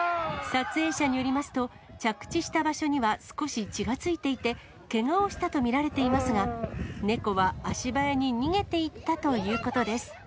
撮影者によりますと、着地した場所には少し血が付いていて、けがをしたと見られていますが、猫は足早に逃げていったということです。